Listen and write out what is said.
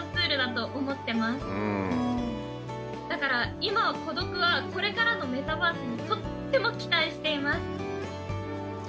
だから今こどくはこれからのメタバースにとっても期待しています。